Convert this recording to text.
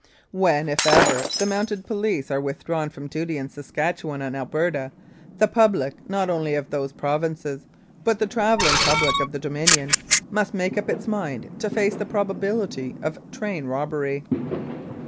When, if ever, the Mounted Police are withdrawn from duty in Saskatchewan and Alberta, the public, not only of those provinces, but the travelling public of the Dominion, must make up its mind to face the probability of train robbery.